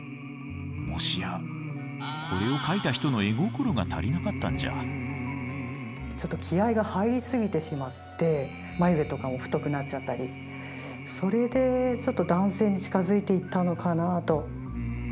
もしやこれを描いた人のちょっと気合いが入りすぎてしまって眉毛とか太くなっちゃったりそれでちょっと男性に近づいていったのかなと。